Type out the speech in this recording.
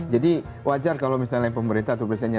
jadi wajar kalau misalnya pemerintah